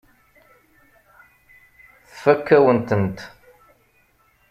Tfakk-awen-tent.